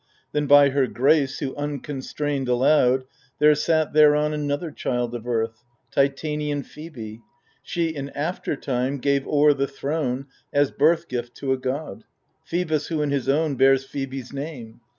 Then by her grace, who unconstrained allowed, There sat thereon another child of Earth — Titanian Phoebe. She, in after time, Gave o'er the throne, as birthgift to a god, Phoebus, who in his own bears Phoebe's name.